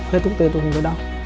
hết thuốc tê tôi không thấy đau